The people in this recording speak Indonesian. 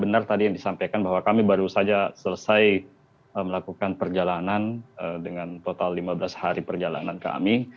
benar tadi yang disampaikan bahwa kami baru saja selesai melakukan perjalanan dengan total lima belas hari perjalanan kami